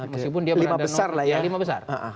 meskipun dia berada nomor lima besar